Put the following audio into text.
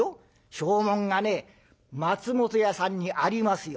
証文がね松本屋さんにありますよ。